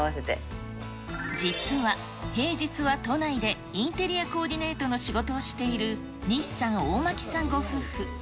実は、平日は都内でインテリアコーディネートの仕事をしている西さん大巻さんご夫婦。